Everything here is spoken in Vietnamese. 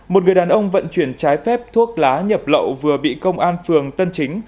một người đàn ông vận chuyển trái phép thuốc lá nhập lậu vừa bị công an phường tân chính